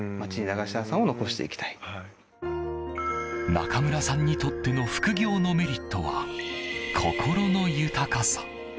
中村さんにとっての副業のメリットは心の豊かさ。